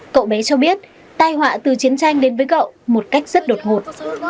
cậu bé cho biết tai họa từ chiến tranh đến với cậu một cách rất đột ngột